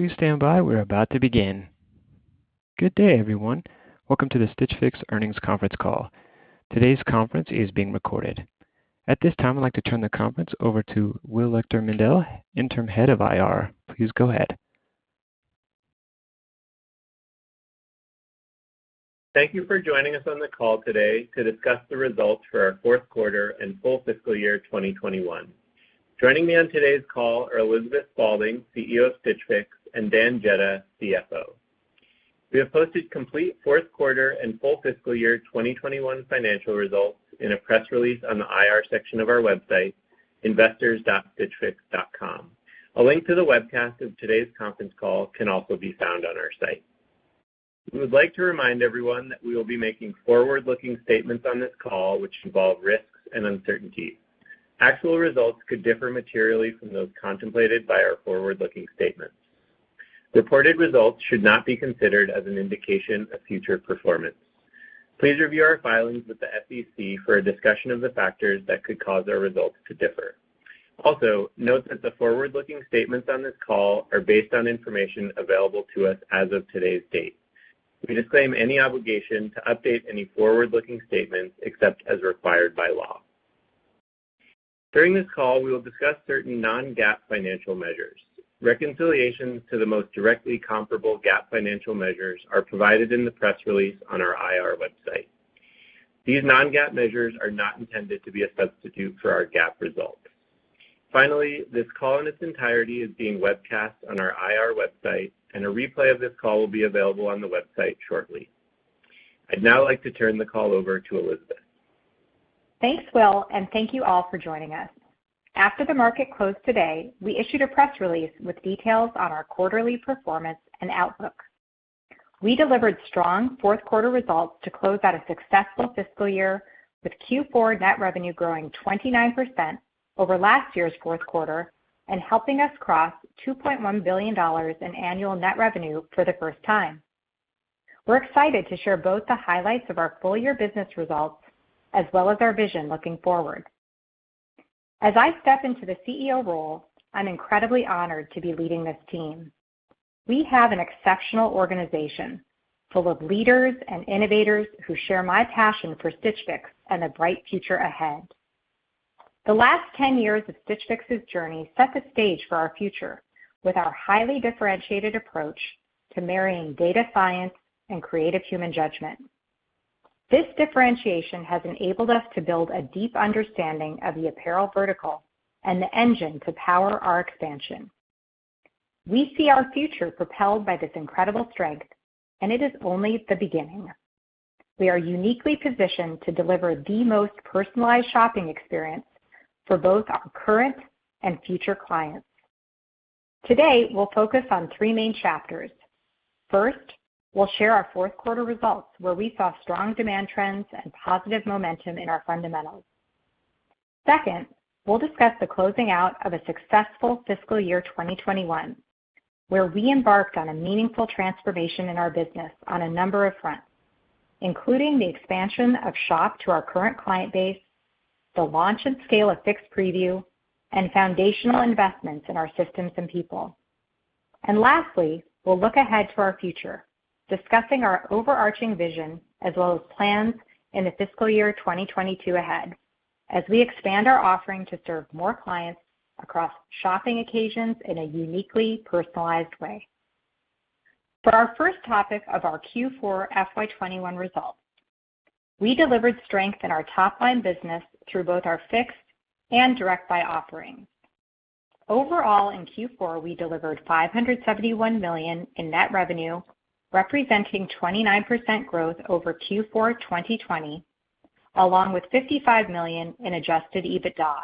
Good day, everyone. Welcome to the Stitch Fix Earnings Conference Call. Today's conference is being recorded. At this time, I'd like to turn the conference over to Will Leuchter-Mindel, Interim Head of IR. Please go ahead. Thank you for joining us on the call today to discuss the results for our fourth quarter and full fiscal year 2021. Joining me on today's call are Elizabeth Spaulding, CEO of Stitch Fix, and Dan Jedda, CFO. We have posted complete fourth quarter and full fiscal year 2021 financial results in a press release on the IR section of our website, investors.stitchfix.com. A link to the webcast of today's conference call can also be found on our site. We would like to remind everyone that we will be making forward-looking statements on this call, which involve risks and uncertainties. Actual results could differ materially from those contemplated by our forward-looking statements. Reported results should not be considered as an indication of future performance. Please review our filings with the SEC for a discussion of the factors that could cause our results to differ. Also, note that the forward-looking statements on this call are based on information available to us as of today's date. We disclaim any obligation to update any forward-looking statements, except as required by law. During this call, we will discuss certain non-GAAP financial measures. Reconciliations to the most directly comparable GAAP financial measures are provided in the press release on our IR website. These non-GAAP measures are not intended to be a substitute for our GAAP results. Finally, this call in its entirety is being webcast on our IR website, and a replay of this call will be available on the website shortly. I'd now like to turn the call over to Elizabeth. Thanks, Will, and thank you all for joining us. After the market closed today, we issued a press release with details on our quarterly performance and outlook. We delivered strong fourth quarter results to close out a successful fiscal year, with Q4 net revenue growing 29% over last year's fourth quarter and helping us cross $2.1 billion in annual net revenue for the first time. We're excited to share both the highlights of our full year business results, as well as our vision looking forward. As I step into the CEO role, I'm incredibly honored to be leading this team. We have an exceptional organization, full of leaders and innovators who share my passion for Stitch Fix and the bright future ahead. The last 10 years of Stitch Fix's journey set the stage for our future with our highly differentiated approach to marrying data science and creative human judgment. This differentiation has enabled us to build a deep understanding of the apparel vertical and the engine to power our expansion. We see our future propelled by this incredible strength, and it is only the beginning. We are uniquely positioned to deliver the most personalized shopping experience for both our current and future clients. Today, we'll focus on three main chapters. First, we'll share our fourth quarter results, where we saw strong demand trends and positive momentum in our fundamentals. Second, we'll discuss the closing out of a successful fiscal year 2021, where we embarked on a meaningful transformation in our business on a number of fronts, including the expansion of Shop to our current client base, the launch and scale of Fix Preview, and foundational investments in our systems and people. Lastly, we'll look ahead to our future, discussing our overarching vision as well as plans in the fiscal year 2022 ahead, as we expand our offering to serve more clients across shopping occasions in a uniquely personalized way. For our first topic of our Q4 FY 2021 results, we delivered strength in our top-line business through both our Fix and Direct Buy offerings. Overall, in Q4, we delivered $571 million in net revenue, representing 29% growth over Q4 2020, along with $55 million in adjusted EBITDA.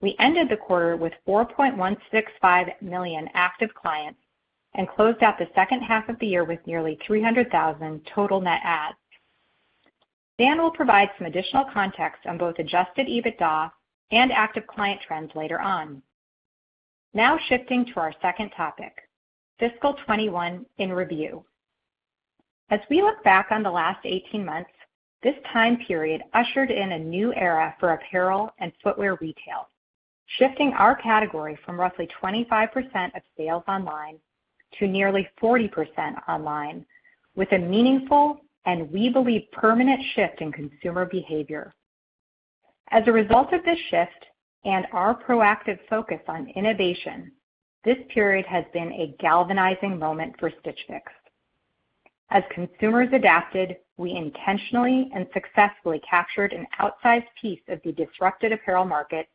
We ended the quarter with 4.165 million active clients and closed out the second half of the year with nearly 300,000 total net adds. Dan will provide some additional context on both adjusted EBITDA and active client trends later on. Shifting to our second topic, fiscal 2021 in review. As we look back on the last 18 months, this time period ushered in a new era for apparel and footwear retail, shifting our category from roughly 25% of sales online to nearly 40% online with a meaningful, and we believe, permanent shift in consumer behavior. As a result of this shift and our proactive focus on innovation, this period has been a galvanizing moment for Stitch Fix. As consumers adapted, we intentionally and successfully captured an outsized piece of the disrupted apparel market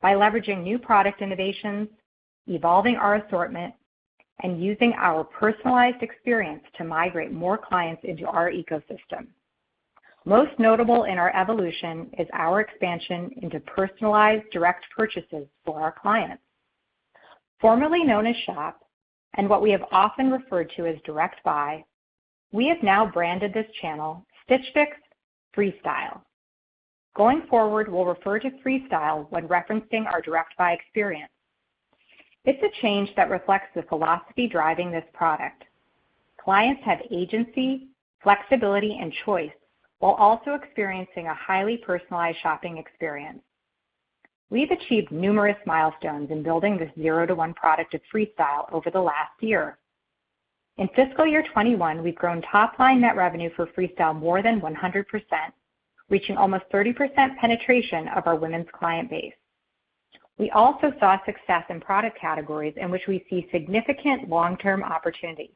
by leveraging new product innovations, evolving our assortment, and using our personalized experience to migrate more clients into our ecosystem. Most notable in our evolution is our expansion into personalized direct purchases for our clients. Formerly known as Shop, and what we have often referred to as Direct Buy, we have now branded this channel Stitch Fix Freestyle. Going forward, we'll refer to Freestyle when referencing our Direct Buy experience. It's a change that reflects the philosophy driving this product. Clients have agency, flexibility, and choice while also experiencing a highly personalized shopping experience. We've achieved numerous milestones in building this zero to one product of Freestyle over the last year. In fiscal year 2021, we've grown top-line net revenue for Freestyle more than 100%, reaching almost 30% penetration of our women's client base. We also saw success in product categories in which we see significant long-term opportunities.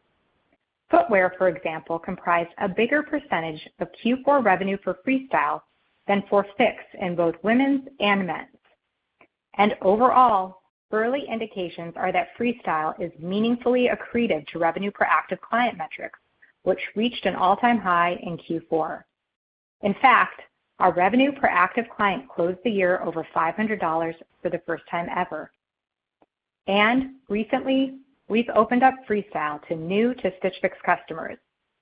Footwear, for example, comprised a bigger percentage of Q4 revenue for Freestyle than for Fix in both women's and men's. Overall, early indications are that Freestyle is meaningfully accretive to revenue per active client metrics, which reached an all-time high in Q4. In fact, our revenue per active client closed the year over $500 for the first time ever. Recently, we've opened up Freestyle to new to Stitch Fix customers,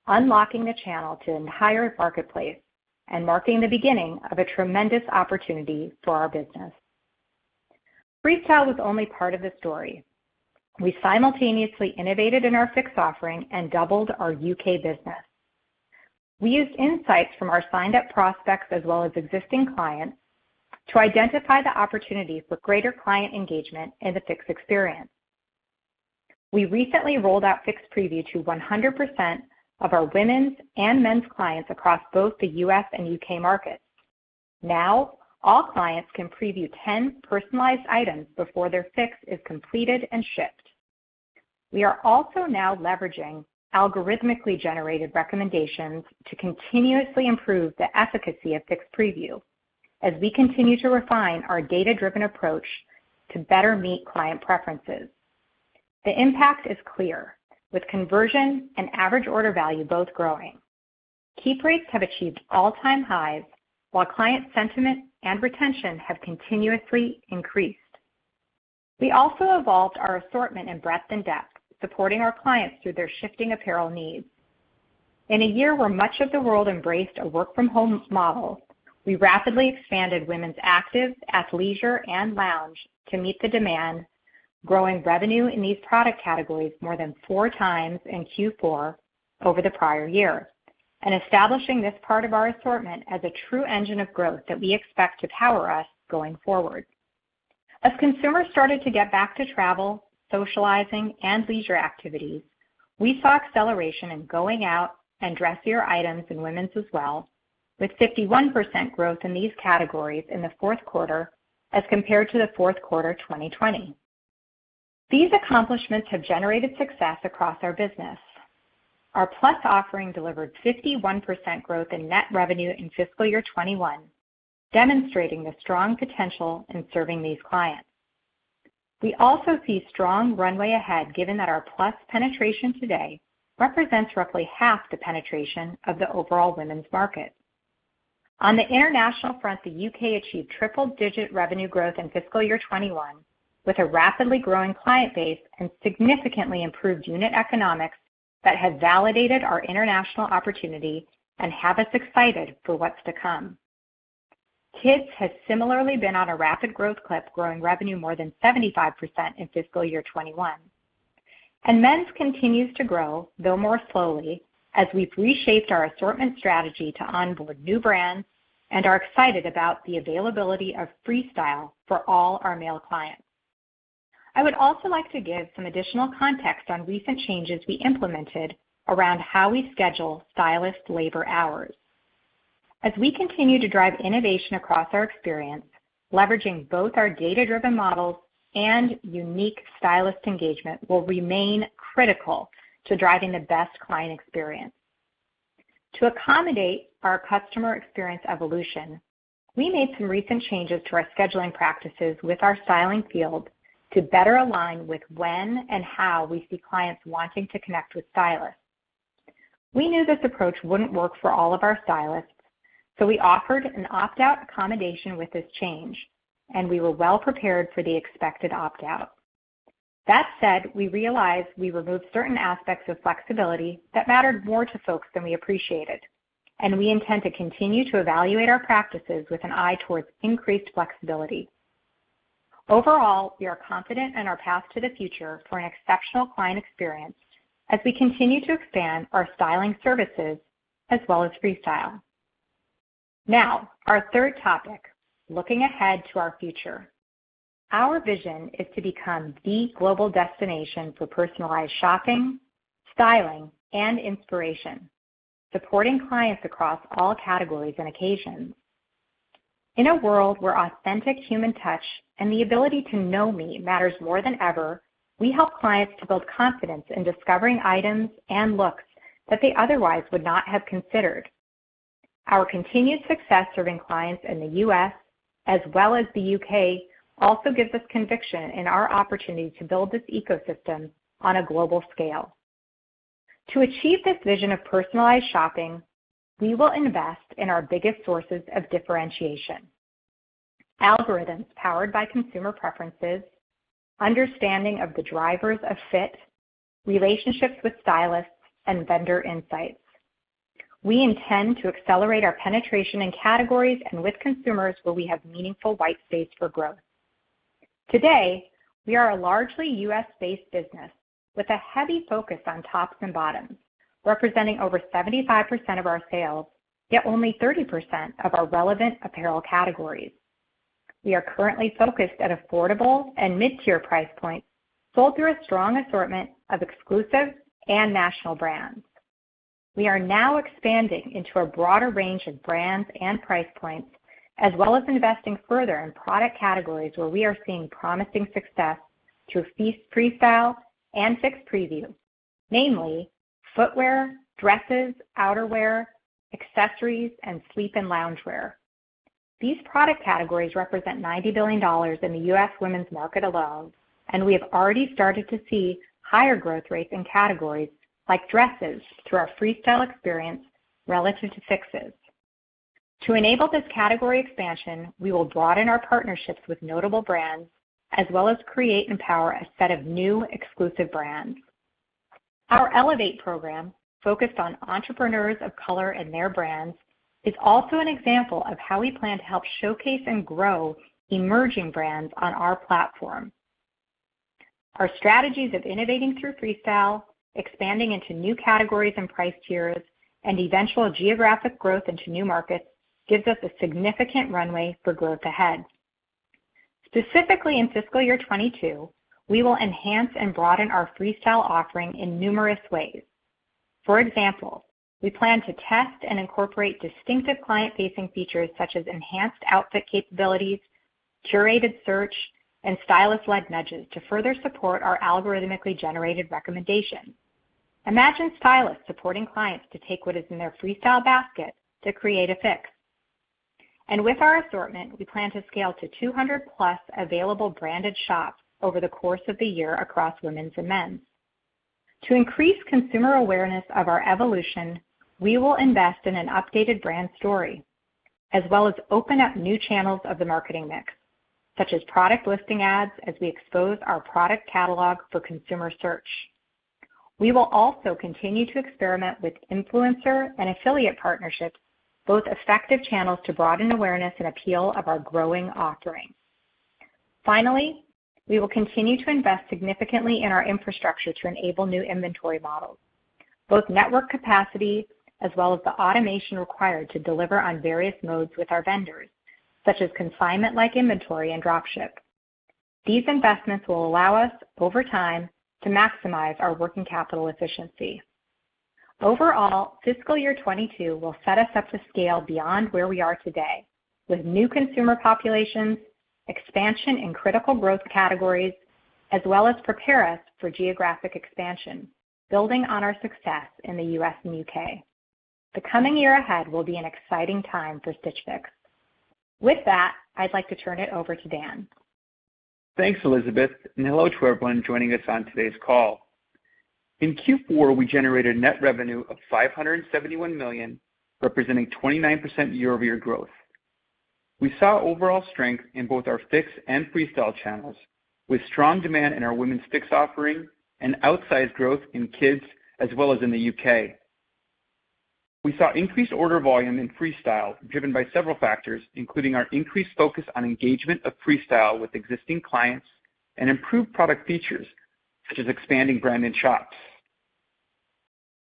unlocking the channel to an entire marketplace and marking the beginning of a tremendous opportunity for our business. Freestyle was only part of the story. We simultaneously innovated in our Fix offering and doubled our U.K. business. We used insights from our signed-up prospects as well as existing clients to identify the opportunities for greater client engagement in the Fix experience. We recently rolled out Fix Preview to 100% of our women's and men's clients across both the U.S. and U.K. markets. Now, all clients can preview 10 personalized items before their Fix is completed and shipped. We are also now leveraging algorithmically generated recommendations to continuously improve the efficacy of Fix Preview, as we continue to refine our data-driven approach to better meet client preferences. The impact is clear. With conversion and average order value both growing. Keep rates have achieved all-time highs, while client sentiment and retention have continuously increased. We also evolved our assortment in breadth and depth, supporting our clients through their shifting apparel needs. In a year where much of the world embraced a work-from-home model, we rapidly expanded women's active, athleisure, and lounge to meet the demand, growing revenue in these product categories more than 4x in Q4 over the prior year, and establishing this part of our assortment as a true engine of growth that we expect to power us going forward. As consumers started to get back to travel, socializing, and leisure activities, we saw acceleration in going out and dressier items in women's as well, with 51% growth in these categories in the fourth quarter as compared to the fourth quarter 2020. These accomplishments have generated success across our business. Our Plus offering delivered 51% growth in net revenue in fiscal year 2021, demonstrating the strong potential in serving these clients. We also see strong runway ahead, given that our Plus penetration today represents roughly half the penetration of the overall women's market. On the international front, the U.K. achieved triple-digit revenue growth in fiscal year 2021, with a rapidly growing client base and significantly improved unit economics that have validated our international opportunity and have us excited for what's to come. Kids has similarly been on a rapid growth clip, growing revenue more than 75% in fiscal year 2021. Men's continues to grow, though more slowly, as we've reshaped our assortment strategy to onboard new brands and are excited about the availability of Freestyle for all our male clients. I would also like to give some additional context on recent changes we implemented around how we schedule stylist labor hours. As we continue to drive innovation across our experience, leveraging both our data-driven models and unique stylist engagement will remain critical to driving the best client experience. To accommodate our customer experience evolution, we made some recent changes to our scheduling practices with our styling field to better align with when and how we see clients wanting to connect with stylists. We knew this approach wouldn't work for all of our stylists, so we offered an opt-out accommodation with this change, and we were well prepared for the expected opt-out. That said, we realized we removed certain aspects of flexibility that mattered more to folks than we appreciated, and we intend to continue to evaluate our practices with an eye towards increased flexibility. Overall, we are confident in our path to the future for an exceptional client experience as we continue to expand our styling services as well as Freestyle. Now, our third topic: looking ahead to our future. Our vision is to become the global destination for personalized shopping, styling, and inspiration, supporting clients across all categories and occasions. In a world where authentic human touch and the ability to know me matters more than ever, we help clients to build confidence in discovering items and looks that they otherwise would not have considered. Our continued success serving clients in the U.S. as well as the U.K. also gives us conviction in our opportunity to build this ecosystem on a global scale. To achieve this vision of personalized shopping, we will invest in our biggest sources of differentiation: algorithms powered by consumer preferences, understanding of the drivers of fit, relationships with stylists, and vendor insights. We intend to accelerate our penetration in categories and with consumers where we have meaningful white space for growth. Today, we are a largely U.S.-based business with a heavy focus on tops and bottoms, representing over 75% of our sales, yet only 30% of our relevant apparel categories. We are currently focused at affordable and mid-tier price points, sold through a strong assortment of exclusive and national brands. We are now expanding into a broader range of brands and price points, as well as investing further in product categories where we are seeing promising success through Freestyle and Fix Preview, namely footwear, dresses, outerwear, accessories, and sleep and loungewear. These product categories represent $90 billion in the U.S. women's market alone, and we have already started to see higher growth rates in categories like dresses through our Freestyle experience relative to Fixes. To enable this category expansion, we will broaden our partnerships with notable brands, as well as create and power a set of new exclusive brands. Our Elevate program, focused on entrepreneurs of color and their brands, is also an example of how we plan to help showcase and grow emerging brands on our platform. Our strategies of innovating through Freestyle, expanding into new categories and price tiers, and eventual geographic growth into new markets gives us a significant runway for growth ahead. Specifically in fiscal year 2022, we will enhance and broaden our Freestyle offering in numerous ways. For example, we plan to test and incorporate distinctive client-facing features such as enhanced outfit capabilities, curated search, and stylist-led nudges to further support our algorithmically generated recommendations. Imagine stylists supporting clients to take what is in their Freestyle basket to create a Fix. With our assortment, we plan to scale to 200+ available branded shops over the course of the year across women's and men's. To increase consumer awareness of our evolution, we will invest in an updated brand story, as well as open up new channels of the marketing mix, such as product listing ads as we expose our product catalog for consumer search. We will also continue to experiment with influencer and affiliate partnerships, both effective channels to broaden awareness and appeal of our growing offering. Finally, we will continue to invest significantly in our infrastructure to enable new inventory models, both network capacity as well as the automation required to deliver on various modes with our vendors, such as consignment-like inventory and dropship. These investments will allow us, over time, to maximize our working capital efficiency. Overall, fiscal year 2022 will set us up to scale beyond where we are today with new consumer populations, expansion in critical growth categories, as well as prepare us for geographic expansion, building on our success in the U.S. and U.K. The coming year ahead will be an exciting time for Stitch Fix. With that, I'd like to turn it over to Dan. Thanks, Elizabeth. Hello to everyone joining us on today's call. In Q4, we generated net revenue of $571 million, representing 29% year-over-year growth. We saw overall strength in both our Fix and Freestyle channels, with strong demand in our women's Fix offering and outsized growth in kids, as well as in the U.K. We saw increased order volume in Freestyle, driven by several factors, including our increased focus on engagement of Freestyle with existing clients and improved product features, such as expanding branded shops.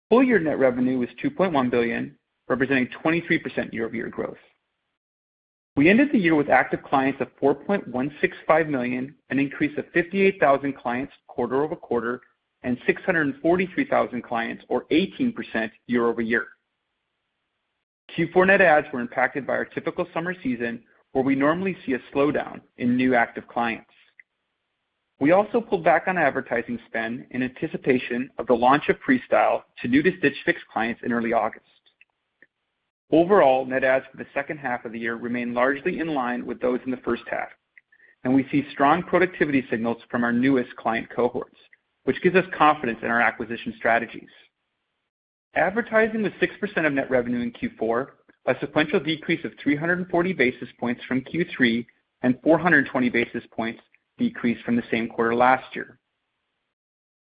Full-year net revenue was $2.1 billion, representing 23% year-over-year growth. We ended the year with active clients of 4.165 million, an increase of 58,000 clients quarter-over-quarter and 643,000 clients or 18% year-over-year. Q4 net adds were impacted by our typical summer season, where we normally see a slowdown in new active clients. We also pulled back on advertising spend in anticipation of the launch of Freestyle to new-to-Stitch Fix clients in early August. Overall, net adds for the second half of the year remained largely in line with those in the first half, and we see strong productivity signals from our newest client cohorts, which gives us confidence in our acquisition strategies. Advertising was 6% of net revenue in Q4, a sequential decrease of 340 basis points from Q3 and 420 basis points decreased from the same quarter last year.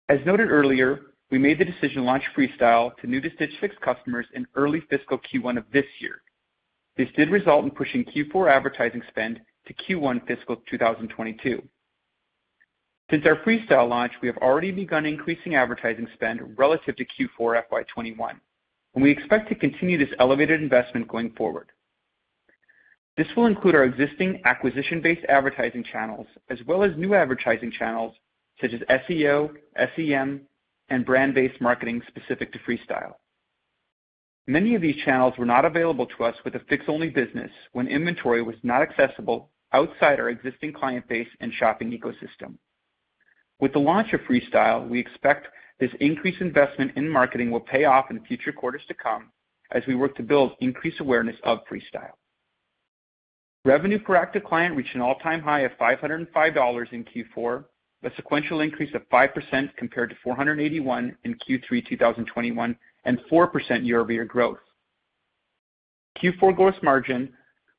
As noted earlier, we made the decision to launch Freestyle to new-to-Stitch Fix customers in early fiscal Q1 of this year. This did result in pushing Q4 advertising spend to Q1 fiscal 2022. Since our Freestyle launch, we have already begun increasing advertising spend relative to Q4 FY 2021, and we expect to continue this elevated investment going forward. This will include our existing acquisition-based advertising channels as well as new advertising channels such as SEO, SEM, and brand-based marketing specific to Freestyle. Many of these channels were not available to us with a Fix-only business when inventory was not accessible outside our existing client base and shopping ecosystem. With the launch of Freestyle, we expect this increased investment in marketing will pay off in future quarters to come as we work to build increased awareness of Freestyle. Revenue per active client reached an all-time high of $505 in Q4, a sequential increase of 5% compared to $481 in Q3 2021 and 4% year-over-year growth. Q4 gross margin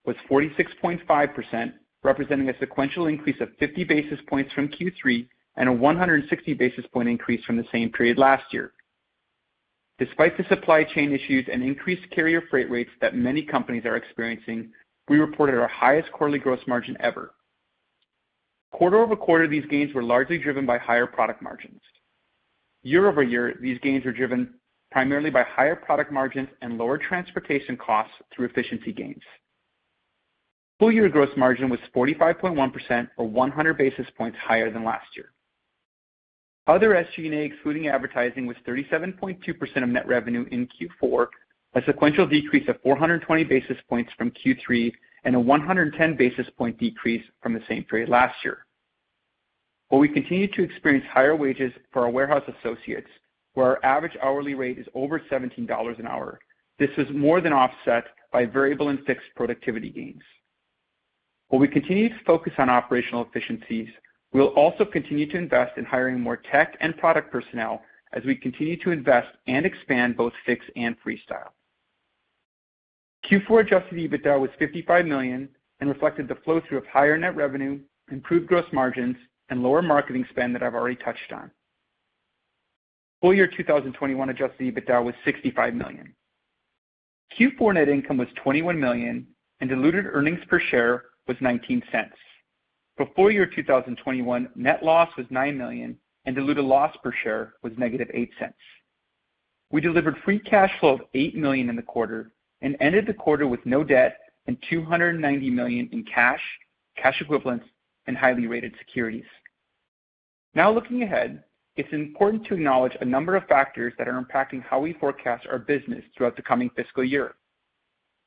was 46.5%, representing a sequential increase of 50 basis points from Q3 and a 160 basis point increase from the same period last year. Despite the supply chain issues and increased carrier freight rates that many companies are experiencing, we reported our highest quarterly gross margin ever. Quarter-over-quarter, these gains were largely driven by higher product margins. Year-over-year, these gains were driven primarily by higher product margins and lower transportation costs through efficiency gains. Full year gross margin was 45.1%, or 100 basis points higher than last year. Other SG&A, excluding advertising, was 37.2% of net revenue in Q4, a sequential decrease of 420 basis points from Q3, and a 110 basis point decrease from the same period last year. While we continue to experience higher wages for our warehouse associates, where our average hourly rate is over $17 an hour, this was more than offset by variable and fixed productivity gains. While we continue to focus on operational efficiencies, we will also continue to invest in hiring more tech and product personnel as we continue to invest and expand both Fix and Freestyle. Q4 adjusted EBITDA was $55 million and reflected the flow-through of higher net revenue, improved gross margins, and lower marketing spend that I've already touched on. Full year 2021 adjusted EBITDA was $65 million. Q4 net income was $21 million, and diluted earnings per share was $0.19. For full year 2021, net loss was $9 million, and diluted loss per share was -$0.08. We delivered free cash flow of $8 million in the quarter and ended the quarter with no debt and $290 million in cash equivalents, and highly rated securities. Now, looking ahead, it's important to acknowledge a number of factors that are impacting how we forecast our business throughout the coming fiscal year.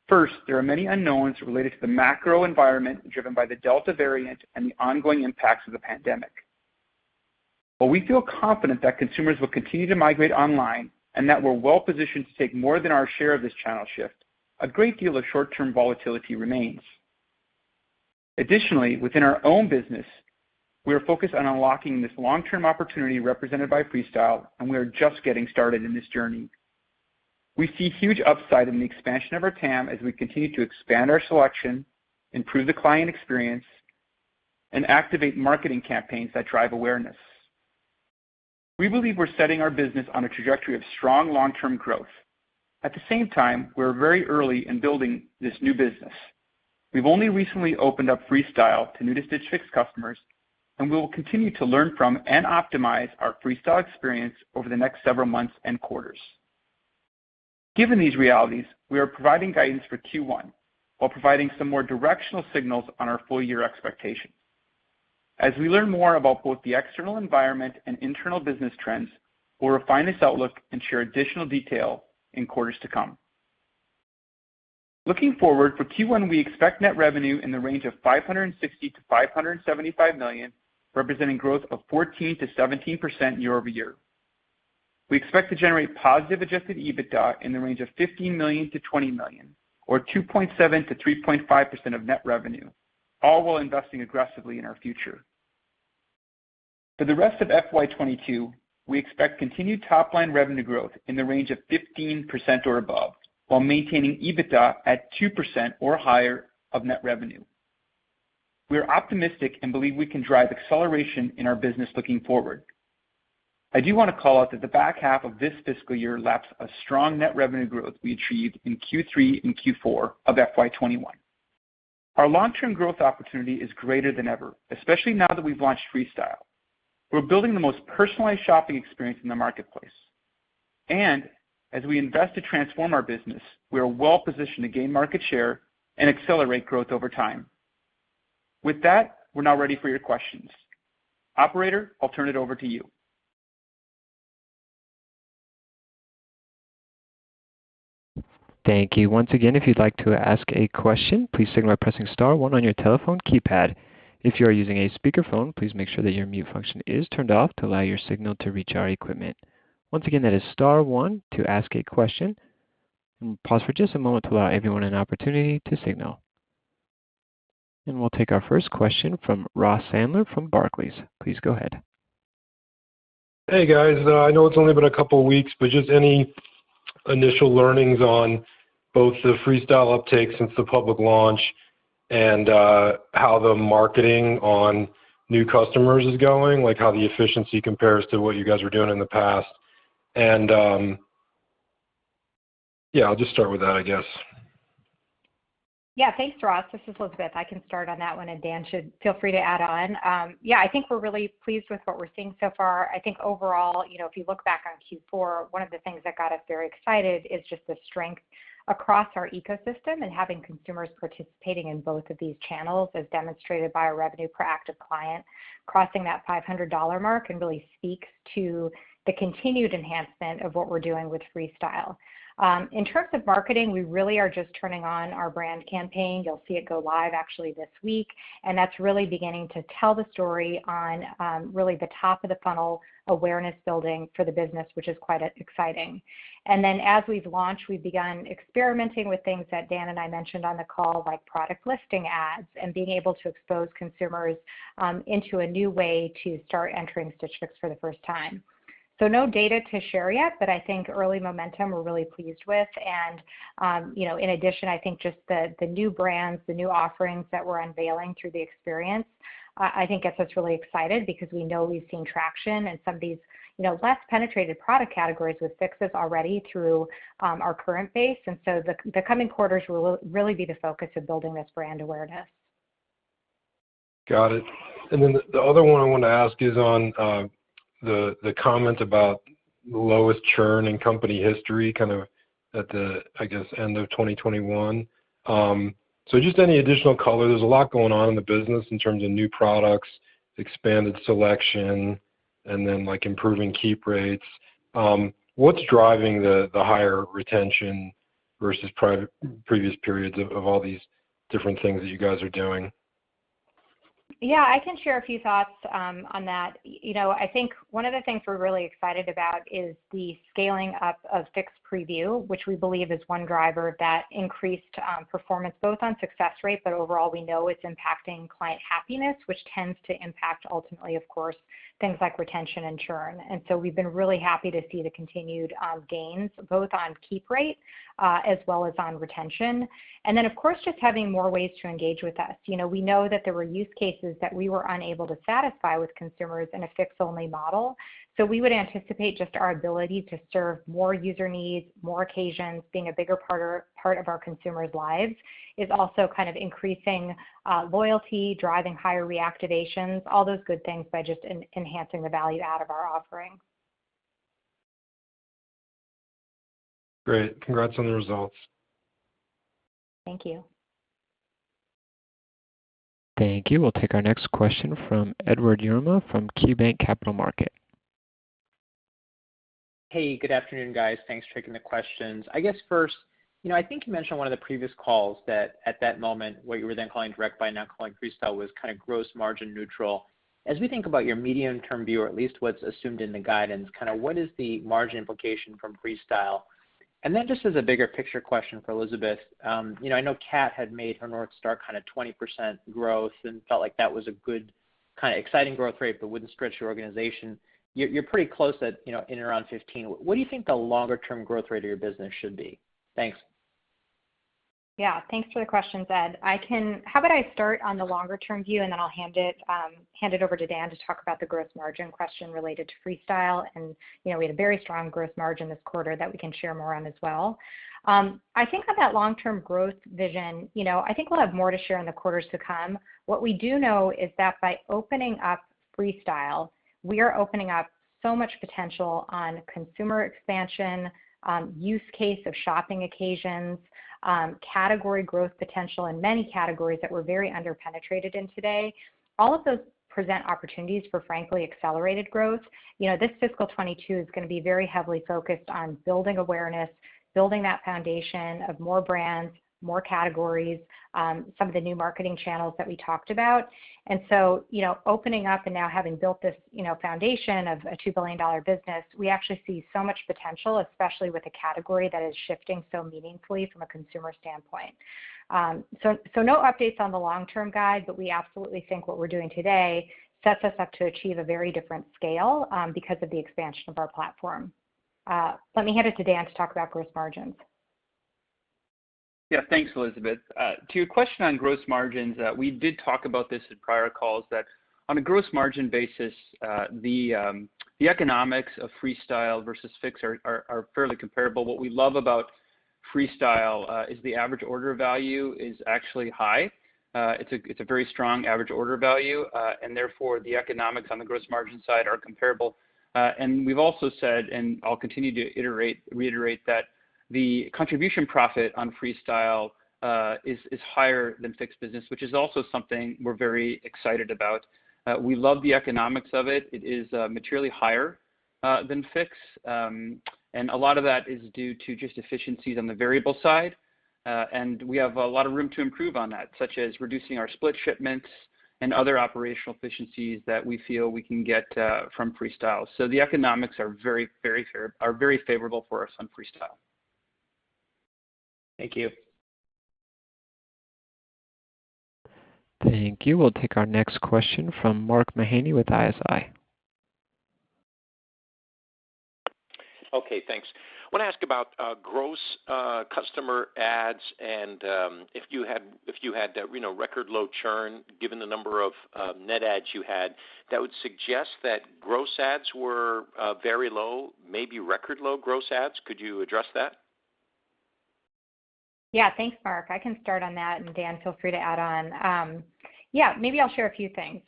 First, there are many unknowns related to the macro environment, driven by the Delta variant and the ongoing impacts of the pandemic. While we feel confident that consumers will continue to migrate online and that we're well-positioned to take more than our share of this channel shift, a great deal of short-term volatility remains. Additionally, within our own business, we are focused on unlocking this long-term opportunity represented by Freestyle, and we are just getting started in this journey. We see huge upside in the expansion of our TAM as we continue to expand our selection, improve the client experience, and activate marketing campaigns that drive awareness. We believe we're setting our business on a trajectory of strong long-term growth. At the same time, we are very early in building this new business. We've only recently opened up Freestyle to new Stitch Fix customers, and we will continue to learn from and optimize our Freestyle experience over the next several months and quarters. Given these realities, we are providing guidance for Q1 while providing some more directional signals on our full year expectations. As we learn more about both the external environment and internal business trends, we'll refine this outlook and share additional detail in quarters to come. Looking forward, for Q1, we expect net revenue in the range of $560 million-$575 million, representing growth of 14%-17% year-over-year. We expect to generate positive adjusted EBITDA in the range of $15 million-$20 million, or 2.7%-3.5% of net revenue, all while investing aggressively in our future. For the rest of FY 2022, we expect continued top-line revenue growth in the range of 15% or above while maintaining EBITDA at 2% or higher of net revenue. I do want to call out that the back half of this fiscal year laps a strong net revenue growth we achieved in Q3 and Q4 of FY 2021. Our long-term growth opportunity is greater than ever, especially now that we've launched Freestyle. We're building the most personalized shopping experience in the marketplace. As we invest to transform our business, we are well positioned to gain market share and accelerate growth over time. With that, we're now ready for your questions. Operator, I'll turn it over to you. Thank you. Once again, if you'd like to ask a question, please signal by pressing star one on your telephone keypad. If you are using a speakerphone, please make sure that your mute function is turned off to allow your signal to reach our equipment. Once again, that is star one to ask a question. I'll pause for just a moment to allow everyone an opportunity to signal. We'll take our first question from Ross Sandler from Barclays. Please go ahead. Hey, guys. I know it's only been a couple of weeks, but just any initial learnings on both the Freestyle uptake since the public launch and how the marketing on new customers is going, like how the efficiency compares to what you guys were doing in the past? Yeah, I'll just start with that, I guess. Yeah. Thanks, Ross. This is Elizabeth. I can start on that one, and Dan should feel free to add on. Yeah, I think we're really pleased with what we're seeing so far. I think overall, if you look back on Q4, one of the things that got us very excited is just the strength across our ecosystem and having consumers participating in both of these channels, as demonstrated by our revenue per active client crossing that $500 mark, and really speaks to the continued enhancement of what we're doing with Freestyle. In terms of marketing, we really are just turning on our brand campaign. You'll see it go live actually this week. That's really beginning to tell the story on really the top of the funnel awareness building for the business, which is quite exciting. Then as we've launched, we've begun experimenting with things that Dan and I mentioned on the call, like product listing ads and being able to expose consumers into a new way to start entering Stitch Fix for the first time. No data to share yet, but I think early momentum we're really pleased with. In addition, I think just the new brands, the new offerings that we're unveiling through the experience, I think gets us really excited because we know we've seen traction in some of these less penetrated product categories with Fixes already through our current base. So the coming quarters will really be the focus of building this brand awareness. Got it. The other one I want to ask is on the comment about the lowest churn in company history at the, I guess, end of 2021. Just any additional color. There's a lot going on in the business in terms of new products, expanded selection, and then improving keep rates. What's driving the higher retention versus previous periods of all these different things that you guys are doing? Yeah, I can share a few thoughts on that. I think one of the things we're really excited about is the scaling up of Fix Preview, which we believe is one driver that increased performance both on success rate, but overall, we know it's impacting client happiness, which tends to impact ultimately, of course, things like retention and churn. We've been really happy to see the continued gains, both on keep rate as well as on retention. Of course, just having more ways to engage with us. We know that there were use cases that we were unable to satisfy with consumers in a Fix only model. We would anticipate just our ability to serve more user needs, more occasions, being a bigger part of our consumers' lives, is also kind of increasing loyalty, driving higher reactivations, all those good things by just enhancing the value out of our offerings. Great. Congrats on the results. Thank you. Thank you. We'll take our next question from Edward Yruma from KeyBanc Capital Markets. Hey, good afternoon, guys. Thanks for taking the questions. I guess first, I think you mentioned one of the previous calls that at that moment, what you were then calling Direct Buy, now calling Freestyle, was kind of gross margin neutral. As we think about your medium-term view, or at least what's assumed in the guidance, what is the margin implication from Freestyle? Just as a bigger picture question for Elizabeth, I know Kat had made her North Star 20% growth and felt like that was a good, exciting growth rate, but wouldn't stretch your organization. You're pretty close at in and around 15. What do you think the longer-term growth rate of your business should be? Thanks. Yeah. Thanks for the questions, Ed. How about I start on the longer-term view, and then I'll hand it over to Dan to talk about the gross margin question related to Freestyle, and we had a very strong gross margin this quarter that we can share more on as well. I think on that long-term growth vision, I think we'll have more to share in the quarters to come. What we do know is that by opening up Freestyle, we are opening up so much potential on consumer expansion, use case of shopping occasions, category growth potential in many categories that we're very under-penetrated in today. All of those present opportunities for, frankly, accelerated growth. This FY 2022 is going to be very heavily focused on building awareness, building that foundation of more brands, more categories, some of the new marketing channels that we talked about. Opening up and now having built this foundation of a $2 billion business, we actually see so much potential, especially with a category that is shifting so meaningfully from a consumer standpoint. No updates on the long-term guide, but we absolutely think what we're doing today sets us up to achieve a very different scale because of the expansion of our platform. Let me hand it to Dan to talk about gross margins. Thanks, Elizabeth. To your question on gross margins, we did talk about this at prior calls, that on a gross margin basis, the economics of Freestyle versus Fix are fairly comparable. What we love about Freestyle is the average order value is actually high. It is a very strong average order value. Therefore, the economics on the gross margin side are comparable. We've also said, and I'll continue to reiterate that the contribution profit on Freestyle is higher than Fix business, which is also something we're very excited about. We love the economics of it. It is materially higher than Fix. A lot of that is due to just efficiencies on the variable side. We have a lot of room to improve on that, such as reducing our split shipments and other operational efficiencies that we feel we can get from Freestyle. The economics are very favorable for us on Freestyle. Thank you. Thank you. We'll take our next question from Mark Mahaney with ISI. Okay, thanks. Want to ask about gross customer adds, and if you had that record low churn, given the number of net adds you had, that would suggest that gross adds were very low, maybe record low gross adds. Could you address that? Thanks, Mark. I can start on that, and Dan, feel free to add on. Maybe I'll share a few things.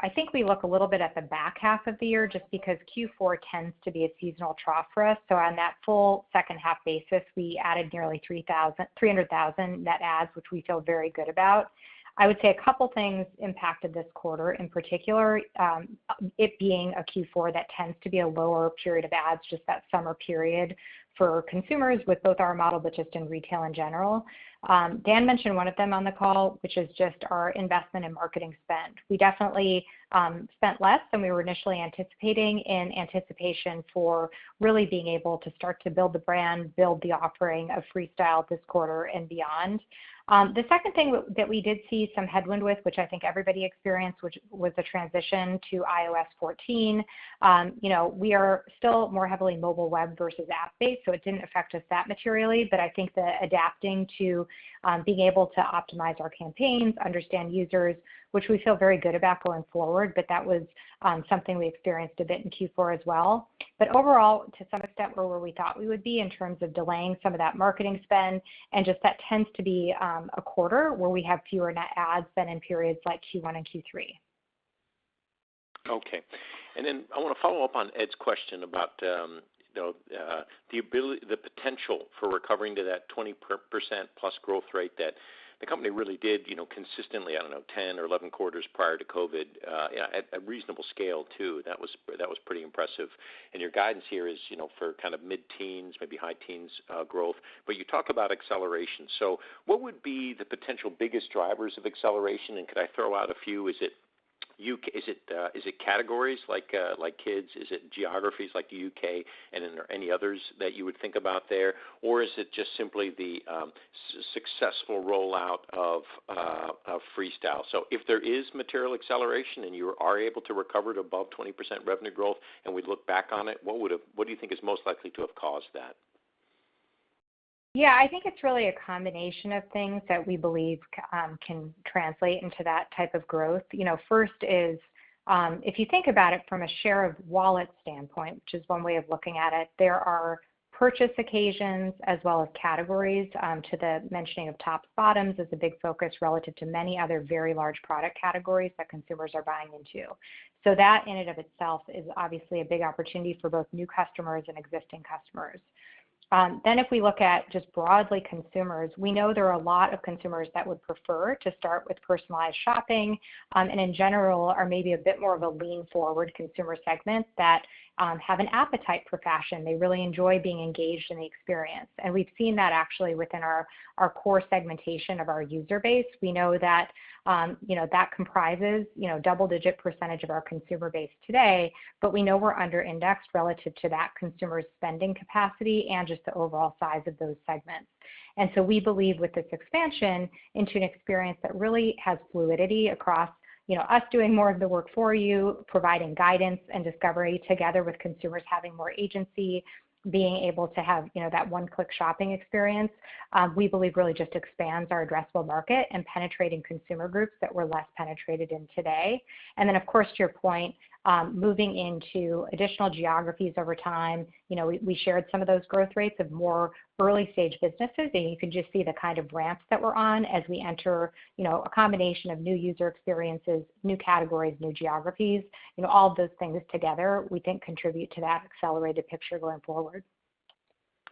I think we look a little bit at the back half of the year, just because Q4 tends to be a seasonal trough for us. On that full second half basis, we added nearly 300,000 net adds, which we feel very good about. I would say a couple things impacted this quarter in particular. It being a Q4, that tends to be a lower period of adds, just that summer period for consumers with both our model, but just in retail in general. Dan mentioned one of them on the call, which is just our investment in marketing spend. We definitely spent less than we were initially anticipating in anticipation for really being able to start to build the brand, build the offering of Freestyle this quarter and beyond. The second thing that we did see some headwind with, which I think everybody experienced, which was the transition to iOS 14. We are still more heavily mobile web versus app-based, so it didn't affect us that materially, but I think the adapting to being able to optimize our campaigns, understand users, which we feel very good about going forward, but that was something we experienced a bit in Q4 as well. Overall, to some extent, we're where we thought we would be in terms of delaying some of that marketing spend, and just that tends to be a quarter where we have fewer net adds than in periods like Q1 and Q3. Okay. I want to follow up on Edward's question about the potential for recovering to that +20% growth rate that the company really did consistently, I don't know, 10 or 11 quarters prior to COVID, at reasonable scale, too. That was pretty impressive. Your guidance here is for mid-teens, maybe high teens growth, but you talk about acceleration. What would be the potential biggest drivers of acceleration, and could I throw out a few? Is it categories like kids? Is it geographies like the U.K.? Are there any others that you would think about there, or is it just simply the successful rollout of Freestyle? If there is material acceleration and you are able to recover to above 20% revenue growth, and we look back on it, what do you think is most likely to have caused that? I think it's really a combination of things that we believe can translate into that type of growth. First is, if you think about it from a share of wallet standpoint, which is one way of looking at it, there are purchase occasions as well as categories. To the mentioning of tops/bottoms as a big focus relative to many other very large product categories that consumers are buying into. That, in and of itself, is obviously a big opportunity for both new customers and existing customers. If we look at, just broadly, consumers, we know there are a lot of consumers that would prefer to start with personalized shopping, and in general, are maybe a bit more of a lean-forward consumer segment that have an appetite for fashion. They really enjoy being engaged in the experience. We've seen that actually within our core segmentation of our user base. We know that comprises double-digit percentage of our consumer base today, but we know we're under-indexed relative to that consumer's spending capacity and just the overall size of those segments. We believe with this expansion into an experience that really has fluidity across us doing more of the work for you, providing guidance and discovery, together with consumers having more agency, being able to have that one-click shopping experience, we believe really just expands our addressable market and penetrating consumer groups that we're less penetrated in today. Of course, to your point, moving into additional geographies over time. We shared some of those growth rates of more early-stage businesses, and you can just see the kind of ramps that we're on as we enter a combination of new user experiences, new categories, new geographies. All of those things together, we think contribute to that accelerated picture going forward.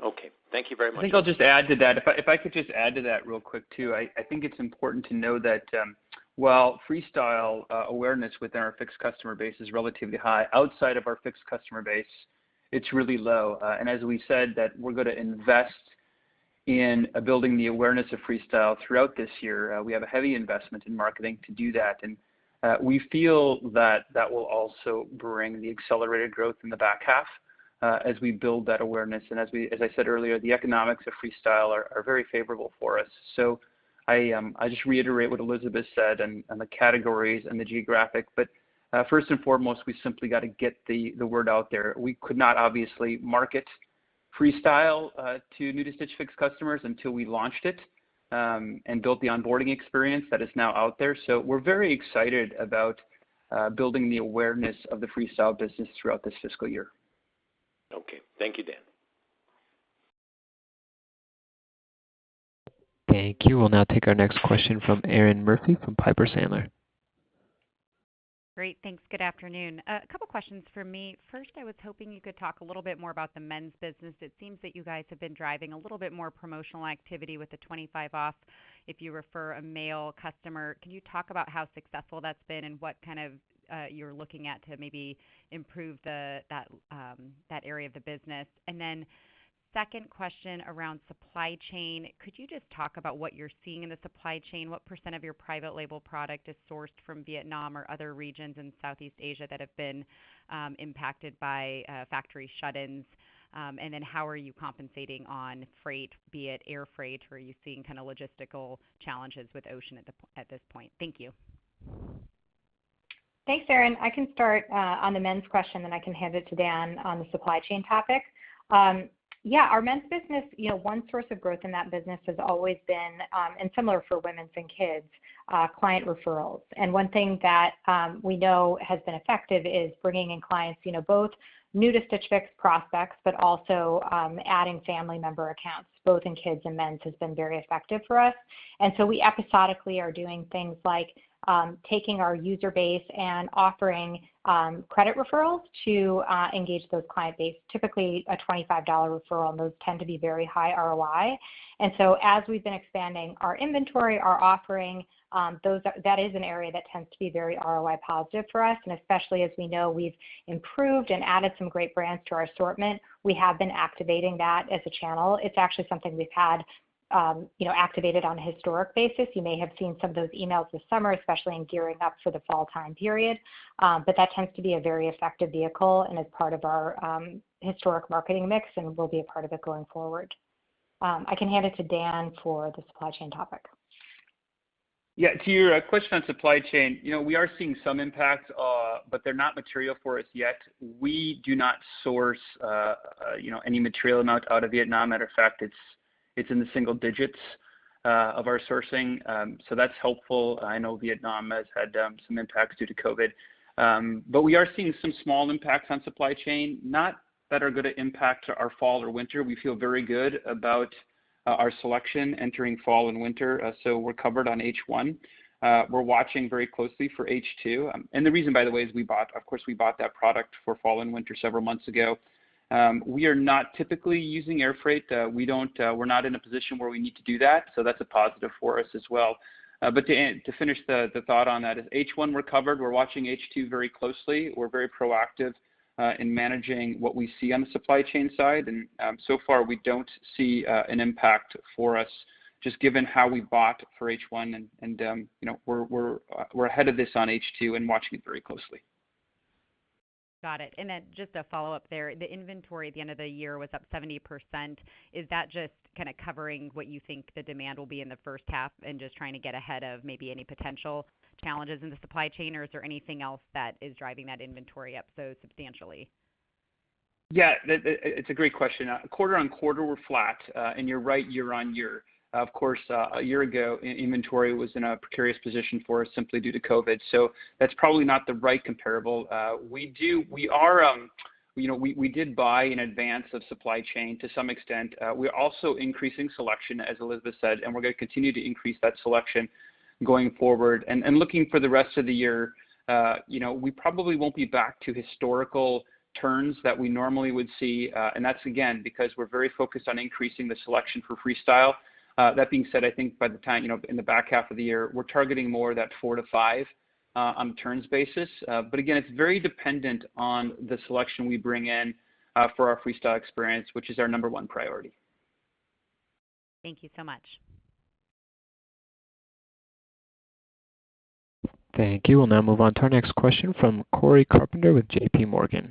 Okay. Thank you very much. I think I'll just add to that. If I could just add to that real quick, too. I think it's important to know that while Freestyle awareness within our Fix customer base is relatively high, outside of our Fix customer base, it's really low. As we said, that we're going to invest in building the awareness of Freestyle throughout this year. We have a heavy investment in marketing to do that, and we feel that that will also bring the accelerated growth in the back half as we build that awareness. As I said earlier, the economics of Freestyle are very favorable for us. I just reiterate what Elizabeth said on the categories and the geographic, but first and foremost, we simply got to get the word out there. We could not obviously market Freestyle to new-to-Stitch Fix customers until we launched it and built the onboarding experience that is now out there. We're very excited about building the awareness of the Freestyle business throughout this fiscal year. Okay. Thank you, Dan. Thank you. We'll now take our next question from Erinn Murphy from Piper Sandler. Great. Thanks. Good afternoon. A couple questions from me. First, I was hoping you could talk a little bit more about the men's business. It seems that you guys have been driving a little bit more promotional activity with the $25 off if you refer a male customer. Can you talk about how successful that's been and what you're looking at to maybe improve that area of the business? Second question around supply chain. Could you just talk about what you're seeing in the supply chain? What percent of your private label product is sourced from Vietnam or other regions in Southeast Asia that have been impacted by factory shut-ins? How are you compensating on freight, be it air freight? Are you seeing logistical challenges with ocean at this point? Thank you. Thanks, Erinn. I can start on the men's question. I can hand it to Dan on the supply chain topic. Our men's business, one source of growth in that business has always been, and similar for women's and kids, client referrals. One thing that we know has been effective is bringing in clients, both new to Stitch Fix prospects, but also adding family member accounts, both in kids and men's, has been very effective for us. We episodically are doing things like taking our user base and offering credit referrals to engage those client base. Typically, a $25 referral. Those tend to be very high ROI. As we've been expanding our inventory, our offering, that is an area that tends to be very ROI positive for us, and especially as we know we've improved and added some great brands to our assortment. We have been activating that as a channel. It's actually something we've had activated on a historic basis. You may have seen some of those emails this summer, especially in gearing up for the fall time period. That tends to be a very effective vehicle and is part of our historic marketing mix and will be a part of it going forward. I can hand it to Dan for the supply chain topic. Yeah. To your question on supply chain, we are seeing some impact, but they're not material for us yet. We do not source any material amount out of Vietnam. Matter of fact, it's in the single digits of our sourcing. That's helpful. I know Vietnam has had some impacts due to COVID. We are seeing some small impacts on supply chain, not that are going to impact our fall or winter. We feel very good about our selection entering fall and winter. We're covered on H1. We're watching very closely for H2. The reason, by the way, is we bought, of course, we bought that product for fall and winter several months ago. We are not typically using air freight. We're not in a position where we need to do that, so that's a positive for us as well. To finish the thought on that is H1, we're covered. We're watching H2 very closely. We're very proactive in managing what we see on the supply chain side. So far, we don't see an impact for us, just given how we bought for H1, and we're ahead of this on H2 and watching it very closely. Got it. Just a follow-up there, the inventory at the end of the year was up 70%. Is that just kind of covering what you think the demand will be in the first half and just trying to get ahead of maybe any potential challenges in the supply chain? Is there anything else that is driving that inventory up so substantially? Yeah, it's a great question. Quarter-on-quarter, we're flat. You're right, year-on-year. Of course, a year ago, inventory was in a precarious position for us simply due to COVID, so that's probably not the right comparable. We did buy in advance of supply chain to some extent. We're also increasing selection, as Elizabeth said, and we're going to continue to increase that selection going forward. Looking for the rest of the year, we probably won't be back to historical turns that we normally would see. That's, again, because we're very focused on increasing the selection for Freestyle. That being said, I think by the time in the back half of the year, we're targeting more that four to five on the turns basis. Again, it's very dependent on the selection we bring in for our Freestyle experience, which is our number one priority. Thank you so much. Thank you. We'll now move on to our next question from Cory Carpenter with JPMorgan.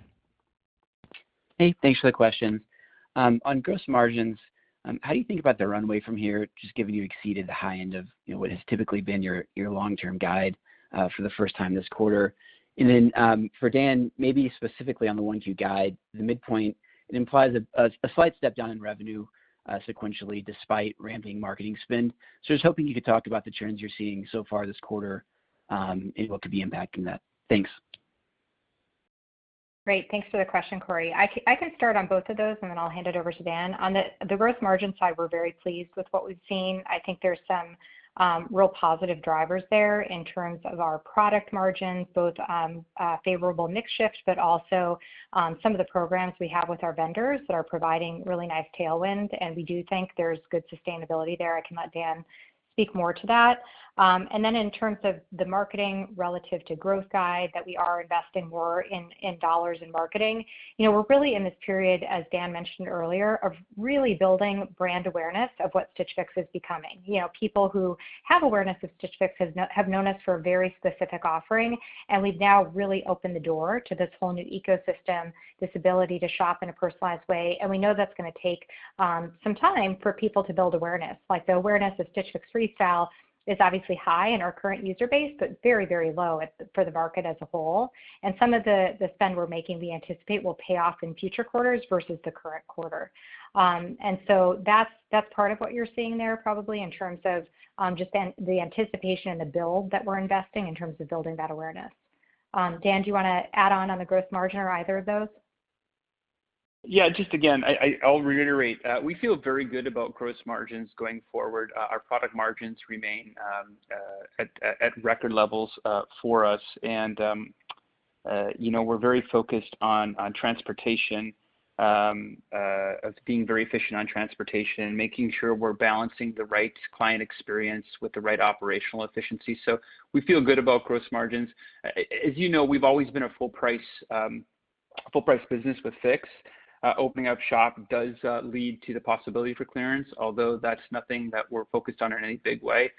Hey, thanks for the question. On gross margins, how do you think about the runway from here, just given you exceeded the high end of what has typically been your long-term guide for the first time this quarter? For Dan, maybe specifically on the FY 2022 guide, the midpoint, it implies a slight step down in revenue sequentially, despite ramping marketing spend. I was hoping you could talk about the trends you're seeing so far this quarter and what could be impacting that. Thanks. Great. Thanks for the question, Cory. I can start on both of those, and then I'll hand it over to Dan. On the gross margin side, we're very pleased with what we've seen. I think there's some real positive drivers there in terms of our product margins, both favorable mix shifts, but also some of the programs we have with our vendors that are providing really nice tailwind, and we do think there's good sustainability there. I can let Dan speak more to that. In terms of the marketing relative to growth guide, that we are investing more in dollars in marketing. We're really in this period, as Dan mentioned earlier, of really building brand awareness of what Stitch Fix is becoming. People who have awareness of Stitch Fix have known us for a very specific offering, and we've now really opened the door to this whole new ecosystem, this ability to shop in a personalized way. We know that's going to take some time for people to build awareness. Like the awareness of Stitch Fix Freestyle is obviously high in our current user base, but very low for the market as a whole. Some of the spend we're making, we anticipate will pay off in future quarters versus the current quarter. That's part of what you're seeing there probably in terms of just the anticipation and the build that we're investing in terms of building that awareness. Dan, do you want to add on the gross margin or either of those? Yeah. Just again, I'll reiterate. We feel very good about gross margins going forward. Our product margins remain at record levels for us, and we're very focused on transportation, of being very efficient on transportation, making sure we're balancing the right client experience with the right operational efficiency. We feel good about gross margins. As you know, we've always been a full price business with Fix. Opening up Shop does lead to the possibility for clearance, although that's nothing that we're focused on in any big way.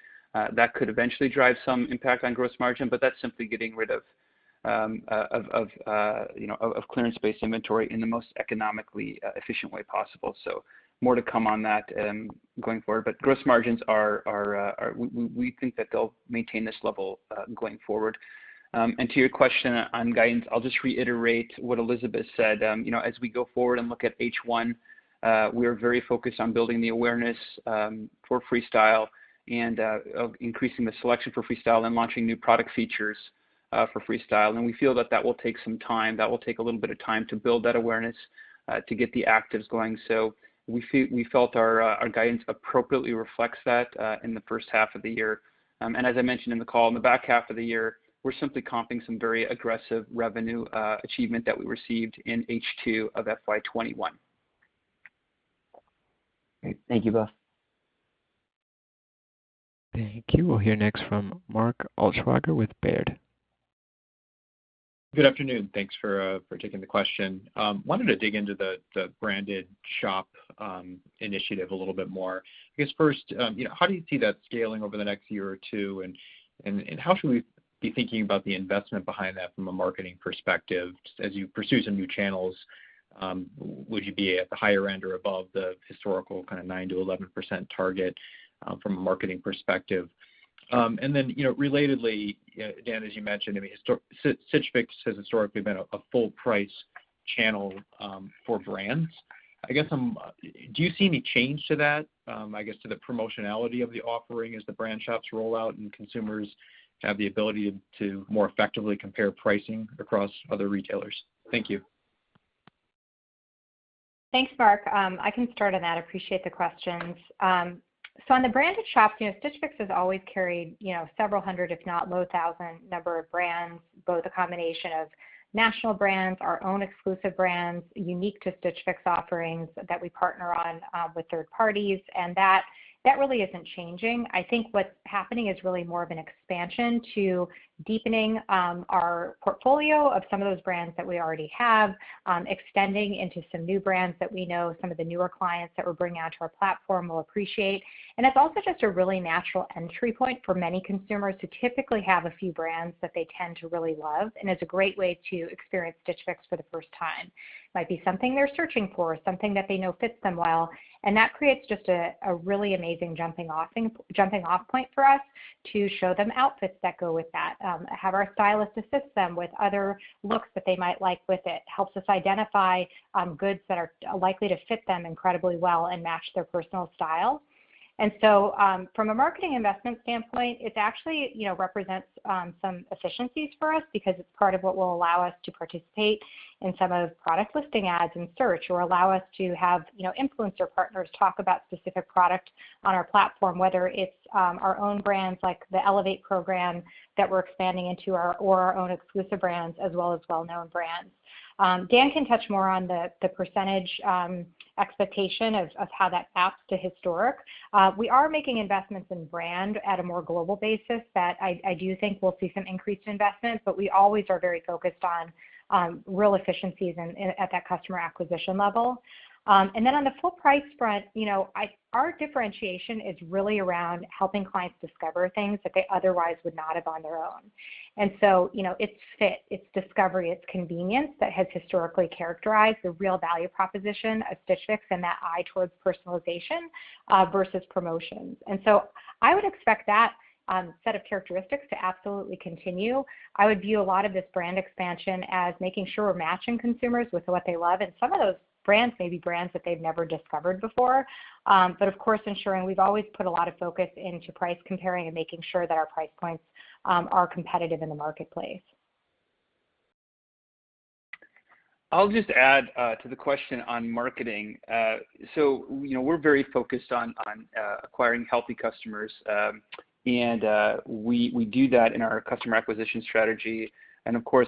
That could eventually drive some impact on gross margin, but that's simply getting rid of clearance-based inventory in the most economically efficient way possible. More to come on that going forward. Gross margins, we think that they'll maintain this level going forward. To your question on guidance, I'll just reiterate what Elizabeth said. As we go forward and look at H1, we are very focused on building the awareness for Freestyle and increasing the selection for Freestyle and launching new product features for Freestyle. We feel that will take some time. That will take a little bit of time to build that awareness, to get the actives going. We felt our guidance appropriately reflects that in the first half of the year. As I mentioned in the call, in the back half of the year, we're simply comping some very aggressive revenue achievement that we received in H2 of FY 2021. Great. Thank you both. Thank you. We'll hear next from Mark Altschwager with Baird. Good afternoon. Thanks for taking the question. Wanted to dig into the branded Shop initiative a little bit more. I guess first, how do you see that scaling over the next year or two, and how should we be thinking about the investment behind that from a marketing perspective as you pursue some new channels? Would you be at the higher end or above the historical kind of 9%-11% target from a marketing perspective? Then relatedly, Dan, as you mentioned, I mean, Stitch Fix has historically been a full price channel for brands. Do you see any change to that, I guess, to the promotionality of the offering as the brand Shops roll out and consumers have the ability to more effectively compare pricing across other retailers? Thank you. Thanks, Mark. I can start on that. Appreciate the questions. On the branded shops, Stitch Fix has always carried several hundred, if not low thousand number of brands, both a combination of national brands, our own exclusive brands unique to Stitch Fix offerings that we partner on with third parties, and that really isn't changing. I think what's happening is really more of an expansion to deepening our portfolio of some of those brands that we already have, extending into some new brands that we know some of the newer clients that we're bringing onto our platform will appreciate. It's also just a really natural entry point for many consumers who typically have a few brands that they tend to really love, and it's a great way to experience Stitch Fix for the first time. Might be something they're searching for, something that they know fits them well, that creates just a really amazing jumping-off point for us to show them outfits that go with that, have our stylist assist them with other looks that they might like with it. Helps us identify goods that are likely to fit them incredibly well and match their personal style. From a marketing investment standpoint, it actually represents some efficiencies for us because it's part of what will allow us to participate in some of the product listing ads in search or allow us to have influencer partners talk about specific product on our platform, whether it's our own brands like the Elevate program that we're expanding into or our own exclusive brands, as well as well-known brands. Dan can touch more on the percentage expectation of how that maps to historic. We are making investments in brand at a more global basis that I do think we'll see some increased investments, but we always are very focused on real efficiencies at that customer acquisition level. On the full price front, our differentiation is really around helping clients discover things that they otherwise would not have on their own. It's fit, it's discovery, it's convenience that has historically characterized the real value proposition of Stitch Fix and that eye towards personalization versus promotions. I would expect that set of characteristics to absolutely continue. I would view a lot of this brand expansion as making sure we're matching consumers with what they love, and some of those brands may be brands that they've never discovered before. Of course, ensuring we've always put a lot of focus into price comparing and making sure that our price points are competitive in the marketplace. I'll just add to the question on marketing. We're very focused on acquiring healthy customers, and we do that in our customer acquisition strategy.